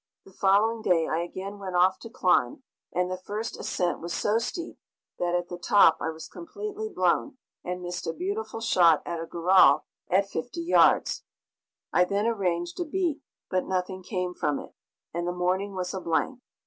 The following day I again went off to climb, and the first ascent was so steep that at the top I was completely blown, and missed a beautiful shot at a goral at fifty yards. I then arranged a beat, but nothing came from it, and the morning was a blank.